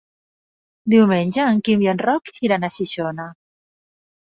Diumenge en Quim i en Roc iran a Xixona.